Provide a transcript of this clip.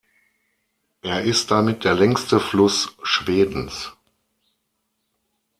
Er ist damit der längste Fluss Schwedens.